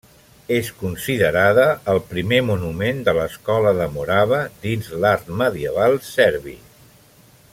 És considerada el primer monument de l'Escola de Morava dins l'art medieval serbi.